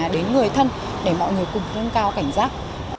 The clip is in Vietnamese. đến người thân để mọi người cùng nâng cao cảnh giác